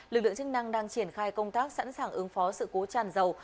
lực lượng chức năng đang triển khai công tác sẵn sàng ứng phó sự cố tràn dầu